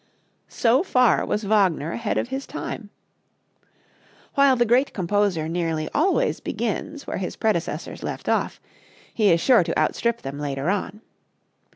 So far was Wagner ahead of his time! While the great composer nearly always begins where his predecessors left off, he is sure to outstrip them later on.